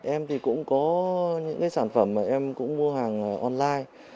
em thì cũng có những cái sản phẩm mà em cũng mua hàng online